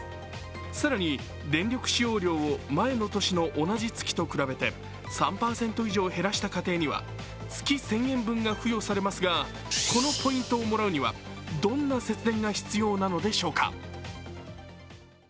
更に、電力使用量を前の年の同じ月と比べて３％以上減らした家庭には月１０００円分が付与されますがこのポイントをもらうには、どんな節電が必要なのでしょうか。